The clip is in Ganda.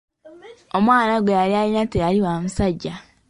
Omwana gwe yali alina teyali wa musajja.